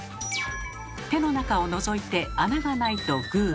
手の中をのぞいて穴がないと「グー」